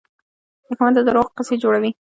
دښمن د دروغو قصې جوړوي